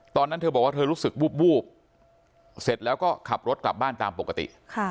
ตอนนั้นเธอบอกว่าเธอรู้สึกวูบเสร็จแล้วก็ขับรถกลับบ้านตามปกติ